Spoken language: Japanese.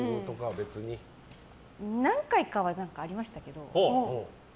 何回かはありましたけど。